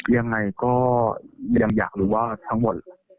ยังไงก็ยังอยากรู้ว่าทั้งหมด